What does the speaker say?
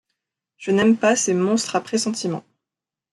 Je n’aime pas ces « monstres à pressentiments ».